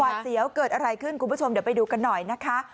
เสียวเกิดอะไรขึ้นคุณผู้ชมเดี๋ยวไปดูกันหน่อยนะคะ